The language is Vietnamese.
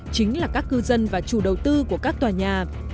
chính là các cư dân và chủ đầu tư của các tòa nhà